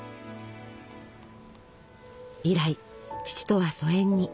以来父とは疎遠に。